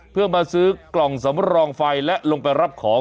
เพื่อมาซื้อกล่องสำรองไฟและลงไปรับของ